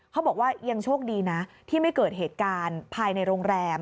เขาบอกว่ายังโชคดีนะที่ไม่เกิดเหตุการณ์ภายในโรงแรม